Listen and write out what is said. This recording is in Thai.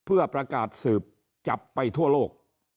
อากาศสืบจับไปทั่วโลก